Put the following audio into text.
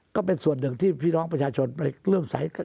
ก็เป็นส่วนหนึ่งที่พี่น้องประชาชนไปเริ่มใสกัน